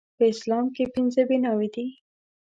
په اسلام کې پنځه بناوې دي